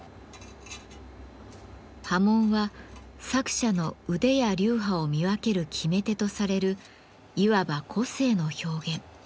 刃文は作者の腕や流派を見分ける決め手とされるいわば個性の表現。